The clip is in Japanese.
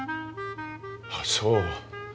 あっそう。